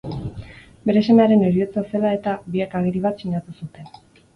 Bere semearen heriotza zela eta, biek agiri bat sinatu zuten.